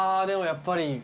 でもやっぱり。